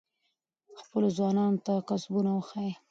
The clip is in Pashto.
خپلو ځوانانو ته کسبونه وښایئ.